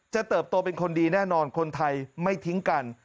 เติบโตเป็นคนดีแน่นอนคนไทยไม่ทิ้งกัน